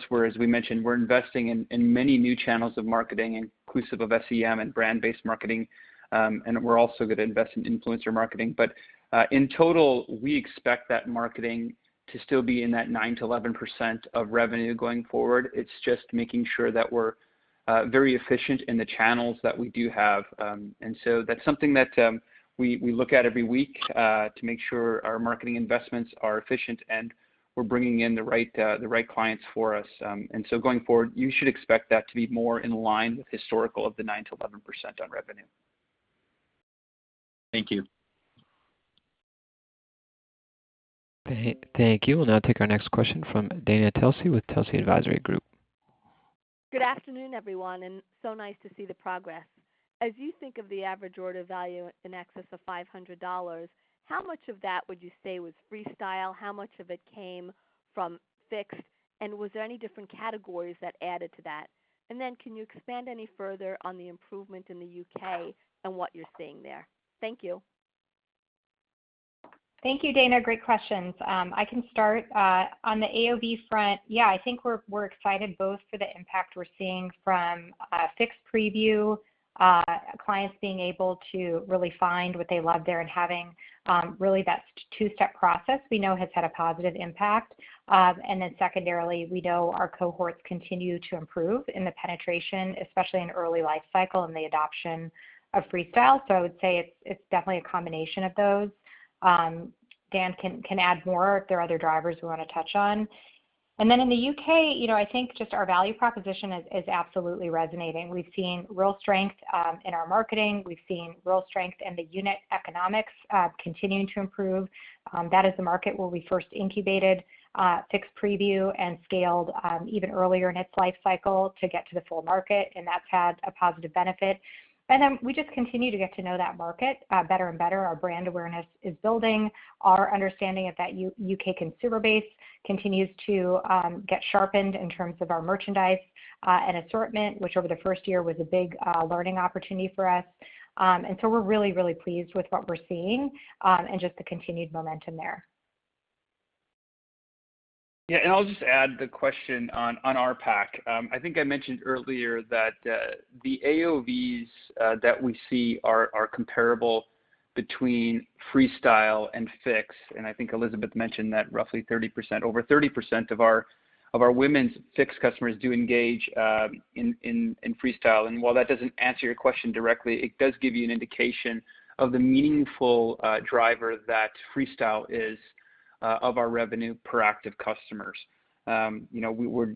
Whereas we mentioned, we're investing in many new channels of marketing inclusive of SEM and brand-based marketing, and we're also going to invest in influencer marketing. In total, we expect that marketing to still be in that 9%-11% of revenue going forward. It's just making sure that we're very efficient in the channels that we do have. That's something that we look at every week, to make sure our marketing investments are efficient, and we're bringing in the right clients for us. Going forward, you should expect that to be more in line with historical of the 9%-11% on revenue. Thank you. Thank you. We'll now take our next question from Dana Telsey with Telsey Advisory Group. Good afternoon, everyone, so nice to see the progress. As you think of the average order value in excess of $500, how much of that would you say was Freestyle? How much of it came from Fix? Was there any different categories that added to that? Then, can you expand any further on the improvement in the U.K. and what you're seeing there? Thank you. Thank you, Dana. Great questions. I can start, on the AOV front, yeah, I think we're excited both for the impact we're seeing from Fix Preview, clients being able to really find what they love there and having really that two-step process we know has had a positive impact. Secondarily, we know our cohorts continue to improve in the penetration, especially in early life cycle and the adoption of Freestyle. I would say it's definitely a combination of those. Dan can add more if there are other drivers we want to touch on. In the U.K., I think just our value proposition is absolutely resonating. We've seen real strength in our marketing, we've seen real strength in the unit economics continuing to improve. That is the market where we first incubated Fix Preview and scaled even earlier in its life cycle to get to the full market, and that's had a positive benefit. We just continue to get to know that market better and better. Our brand awareness is building. Our understanding of that U.K. consumer base continues to get sharpened in terms of our merchandise, and assortment, which over the first year was a big learning opportunity for us. We're really, really pleased with what we're seeing, and just the continued momentum there. I'll just add the question on RPAC. I think I mentioned earlier that the AOVs that we see are comparable between Freestyle and Fix, and I think Elizabeth mentioned that roughly over 30% of our women's Fix customers do engage in Freestyle. While that doesn't answer your question directly, it does give you an indication of the meaningful driver that Freestyle is of our revenue per active customers. We'll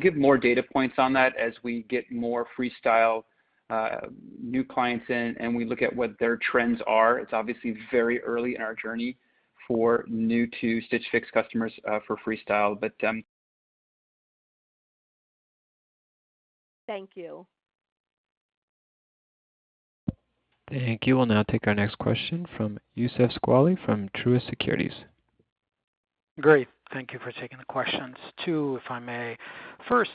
give more data points on that as we get more Freestyle new clients in, and we look at what their trends are. It's obviously very early in our journey for new-to-Stitch Fix customers for Freestyle. Thank you. Thank you. We'll now take our next question from Youssef Squali from Truist Securities. Great. Thank you for taking the questions. Two, if I may. First,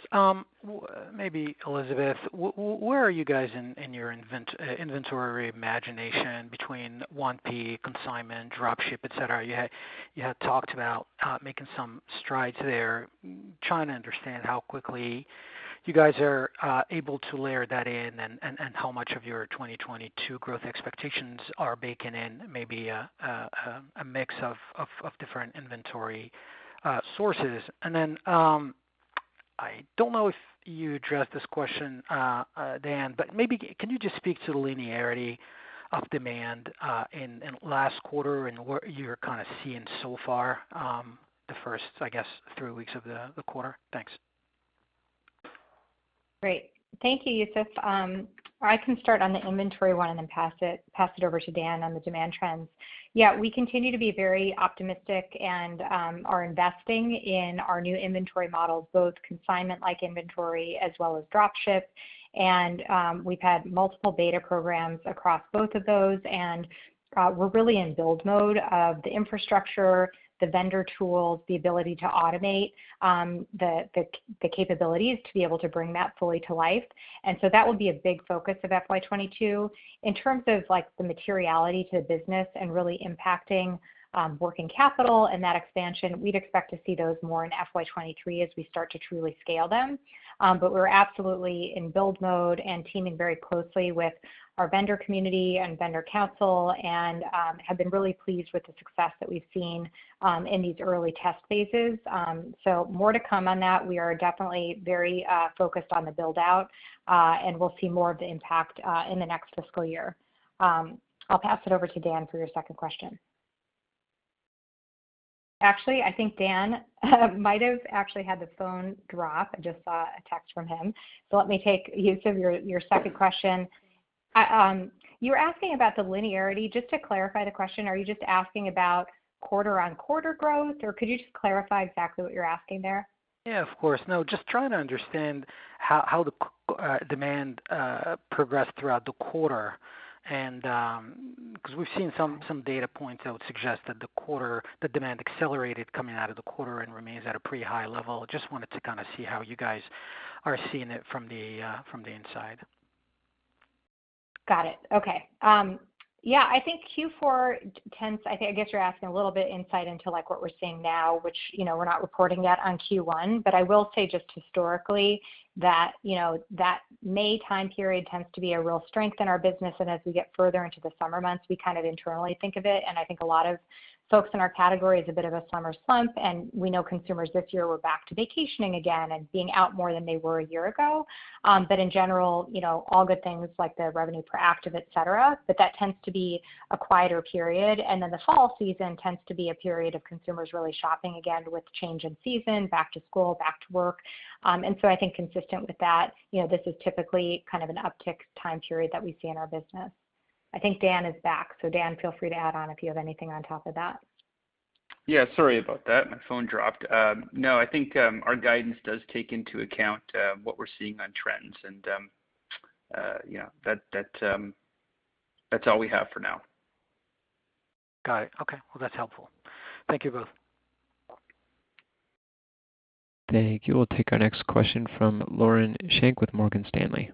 maybe Elizabeth, where are you guys in your inventory imagination between 1P, consignment, drop ship, et cetera? You had talked about making some strides there. Trying to understand how quickly you guys are able to layer that in, and how much of your 2022 growth expectations are baking in maybe a mix of different inventory sources. I don't know if you addressed this question, Dan, but maybe can you just speak to the linearity of demand in last quarter and what you're kind of seeing so far, the first, I guess, three weeks of the quarter? Thanks. Great. Thank you, Youssef. I can start on the inventory one and then pass it over to Dan on the demand trends. Yeah, we continue to be very optimistic and are investing in our new inventory models, both consignment-like inventory as well as drop ship. We've had multiple beta programs across both of those, and we're really in build mode of the infrastructure, the vendor tools, the ability to automate, the capabilities to be able to bring that fully to life. That will be a big focus of FY 2022. In terms of the materiality to the business and really impacting working capital and that expansion, we'd expect to see those more in FY 2023 as we start to truly scale them. We're absolutely in build mode and teaming very closely with our vendor community and vendor council, and have been really pleased with the success that we've seen in these early test phases. More to come on that. We are definitely very focused on the build-out, and we'll see more of the impact in the next fiscal year. I'll pass it over to Dan for your second question. Actually, I think Dan might have actually had the phone drop. I just saw a text from him. Let me take, Youssef, your second question. You were asking about the linearity. Just to clarify the question, are you just asking about quarter-on-quarter growth, or could you just clarify exactly what you're asking there? Yeah, of course. No, just trying to understand how the demand progressed throughout the quarter and Because we've seen some data points that would suggest that the demand accelerated coming out of the quarter and remains at a pretty high level. Just wanted to kind of see how you guys are seeing it from the inside. Got it. Okay. Yeah, I think Q4 tends, I guess you're asking a little bit insight into like what we're seeing now, which we're not reporting yet on Q1. I will say just historically that May time period tends to be a real strength in our business, and as we get further into the summer months, we kind of internally think of it, and I think a lot of folks in our category as a bit of a summer slump, and we know consumers this year were back to vacationing again and being out more than they were a year ago. In general, all good things like the revenue per active, et cetera, but that tends to be a quieter period. Then the fall season tends to be a period of consumers really shopping again with change in season, back to school, back to work. I think consistent with that, this is typically kind of an uptick time period that we see in our business. I think Dan is back. Dan, feel free to add on if you have anything on top of that. Yeah. Sorry about that. My phone dropped. No, I think our guidance does take into account what we're seeing on trends and that's all we have for now. Got it. Okay. Well, that's helpful. Thank you both. Thank you. We'll take our next question from Lauren Schenk with Morgan Stanley.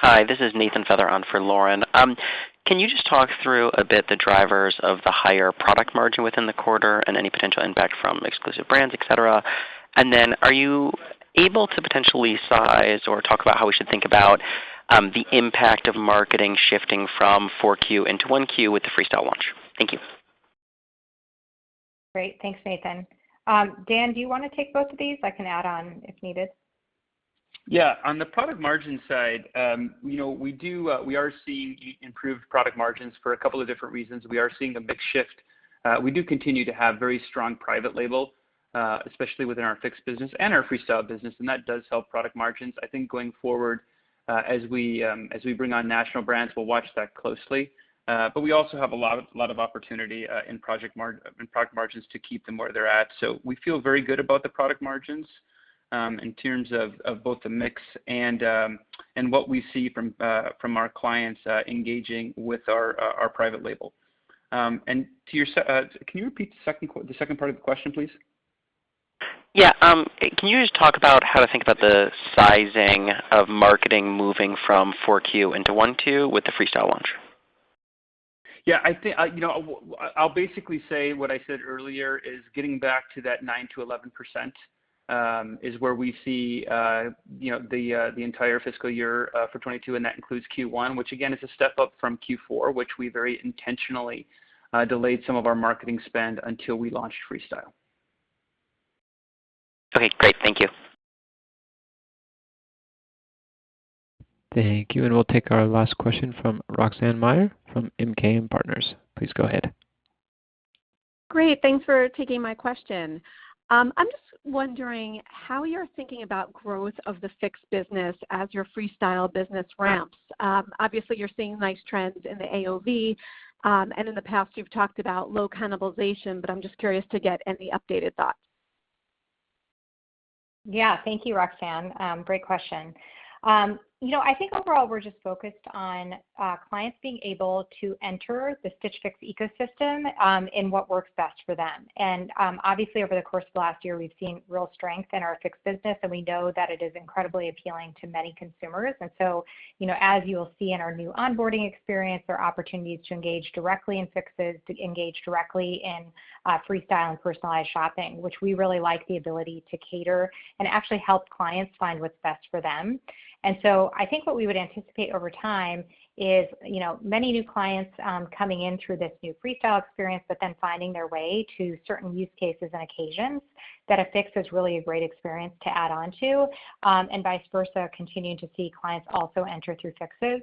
Hi, this is on for Lauren. Can you just talk through a bit the drivers of the higher product margin within the quarter and any potential impact from exclusive brands, et cetera? Then are you able to potentially size or talk about how we should think about the impact of marketing shifting from Q4 into Q1 with the Freestyle launch? Thank you. Great. Thanks, Nathan. Dan, do you want to take both of these? I can add on if needed. Yeah. On the product margin side, we are seeing improved product margins for a couple of different reasons. We are seeing a big shift. We do continue to have very strong private label, especially within our Fix business and our Freestyle business, and that does help product margins. I think going forward, as we bring on national brands, we'll watch that closely. We also have a lot of opportunity in product margins to keep them where they're at. We feel very good about the product margins, in terms of both the mix and what we see from our clients engaging with our private label. Can you repeat the second part of the question, please? Yeah. Can you just talk about how to think about the sizing of marketing moving from Q4 into Q1 with the Freestyle launch? Yeah. I'll basically say what I said earlier, is getting back to that 9%-11%, is where we see the entire fiscal year for 2022, and that includes Q1, which again is a step up from Q4, which we very intentionally delayed some of our marketing spend until we launched Freestyle. Okay, great. Thank you. Thank you. We'll take our last question from Roxanne Meyer from MKM Partners. Please go ahead. Great. Thanks for taking my question. I'm just wondering how you're thinking about growth of the Fix business as your Freestyle business ramps. Obviously, you're seeing nice trends in the AOV, and in the past you've talked about low cannibalization, but I'm just curious to get any updated thoughts. Yeah. Thank you, Roxanne. Great question. I think overall, we're just focused on clients being able to enter the Stitch Fix ecosystem in what works best for them. Obviously, over the course of the last year, we've seen real strength in our Fix business, and we know that it is incredibly appealing to many consumers. As you'll see in our new onboarding experience, there are opportunities to engage directly in Fixes, to engage directly in Freestyle and personalized shopping, which we really like the ability to cater and actually help clients find what's best for them. I think what we would anticipate over time is many new clients coming in through this new Freestyle experience, but then finding their way to certain use cases and occasions that a Fix is really a great experience to add onto, and vice versa, continuing to see clients also enter through Fixes.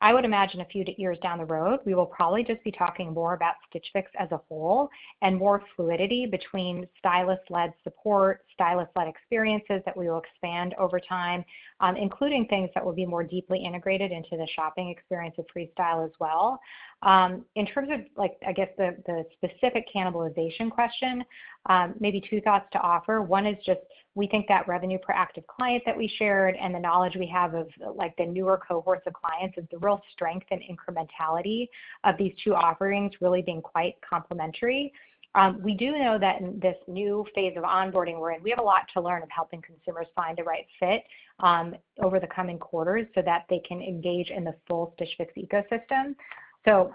I would imagine a few years down the road, we will probably just be talking more about Stitch Fix as a whole and more fluidity between stylist-led support, stylist-led experiences that we will expand over time, including things that will be more deeply integrated into the shopping experience of Freestyle as well. In terms of the specific cannibalization question, maybe two thoughts to offer. One is just we think that revenue per active client that we shared and the knowledge we have of the newer cohorts of clients is the real strength and incrementality of these two offerings really being quite complementary. We do know that in this new phase of onboarding we're in, we have a lot to learn of helping consumers find the right fit over the coming quarters so that they can engage in the full Stitch Fix ecosystem.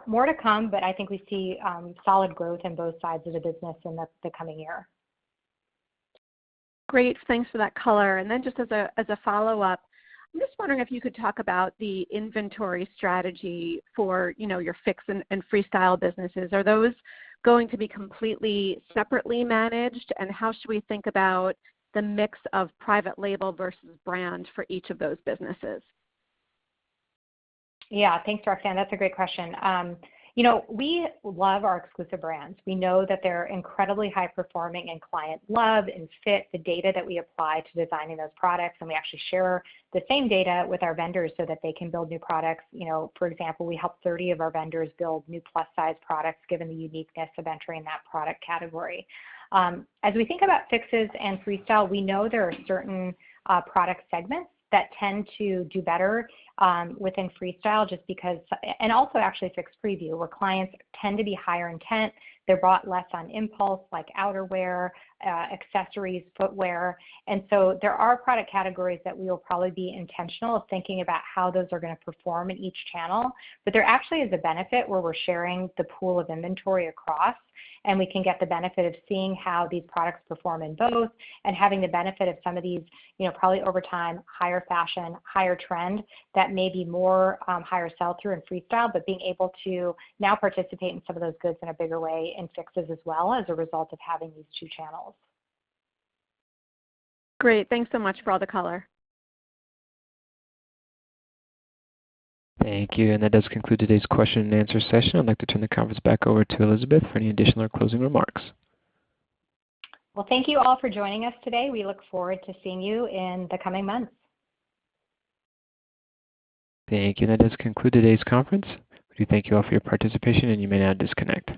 More to come, but I think we see solid growth in both sides of the business in the coming year. Great. Thanks for that color. Then just as a follow-up, I'm just wondering if you could talk about the inventory strategy for your Fix and Freestyle businesses. Are those going to be completely separately managed? How should we think about the mix of private label versus brand for each of those businesses? Yeah. Thanks, Roxanne. That is a great question. We love our exclusive brands. We know that they are incredibly high performing, and clients love and fit the data that we apply to designing those products, and we actually share the same data with our vendors so that they can build new products. For example, we helped 30 of our vendors build new plus-size products, given the uniqueness of entering that product category. As we think about Fixes and Freestyle, we know there are certain product segments that tend to do better within Freestyle, and also actually Fix Preview, where clients tend to be higher intent. They are bought less on impulse, like outerwear, accessories, footwear. There are product categories that we will probably be intentional of thinking about how those are going to perform in each channel. There actually is a benefit where we're sharing the pool of inventory across, and we can get the benefit of seeing how these products perform in both and having the benefit of some of these, probably over time, higher fashion, higher trend that may be more higher sell-through in Freestyle, but being able to now participate in some of those goods in a bigger way in Fixes as well as a result of having these two channels. Great. Thanks so much for all the color. Thank you. That does conclude today's question and answer session. I'd like to turn the conference back over to Elizabeth for any additional closing remarks. Well, thank you all for joining us today. We look forward to seeing you in the coming months. Thank you. That does conclude today's conference. We thank you all for your participation, and you may now disconnect.